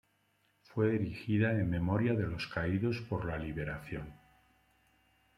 Fue erigida en memoria de los caídos por la liberación.